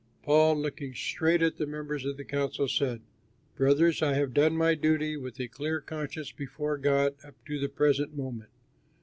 Paul, looking straight at the members of the council, said: "Brothers, I have done my duty, with a clear conscience before God, up to the present moment."